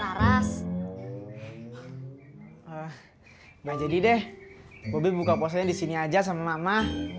ah ah nggak jadi deh bobek buka posenya di sini aja sama mama